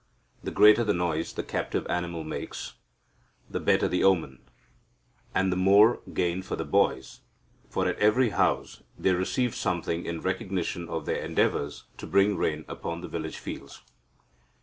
The greater the noise the captive animal makes, the better the omen, and the more gain for the boys, for at every house they receive something in recognition of their endeavours to bring rain upon the village fields.